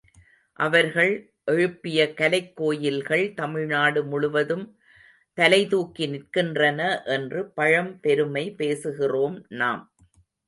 அவர்கள் எழுப்பிய கலைக்கோயில்கள் தமிழ்நாடு முழுவதும் தலைதூக்கி நிற்கின்றன என்று பழம் பெருமை பேசுகிறோம் நாம்.